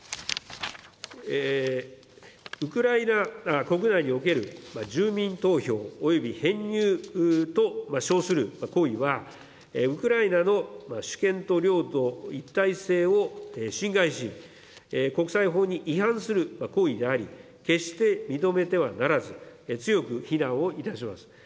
ウクライナ国内における住民投票および編入と称する行為は、ウクライナの主権と領土の一体性を侵害し、国際法に違反する行為であり、決して認めてはならず、強く非難をいたします。